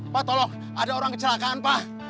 pak tolong ada orang kecelakaan pak